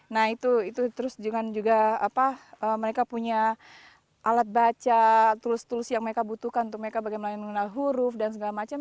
nah itu terus juga mereka punya alat baca tools tools yang mereka butuhkan untuk mereka bagaimana mengenal huruf dan segala macam